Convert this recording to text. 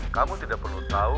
kamu tidak perlu tau